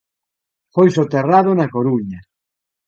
Foi soterrado na Coruña.